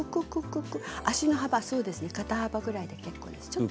足の幅は肩幅ぐらいで結構です。